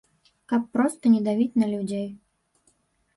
Каб проста не давіць на людзей.